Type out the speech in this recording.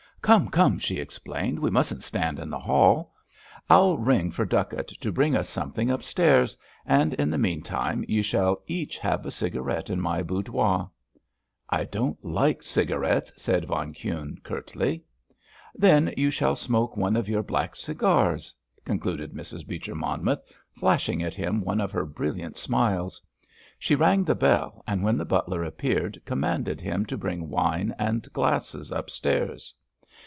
"Come, come," she exclaimed, "we mustn't stand in the hall. I'll ring for Duckett to bring us something upstairs, and in the meantime you shall each have a cigarette in my boudoir." "I don't like cigarettes!" said von Kuhne curtly. "Then you shall smoke one of your black cigars," concluded Mrs. Beecher Monmouth, flashing at him one of her brilliant smiles. She rang the bell, and when the butler appeared, commanded him to bring wine and glasses upstairs.